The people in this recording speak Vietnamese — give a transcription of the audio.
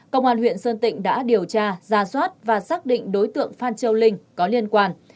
công an huyện sơn tịnh đã điều tra ra soát và xác định đối tượng phan châu linh có liên quan